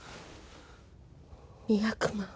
２００万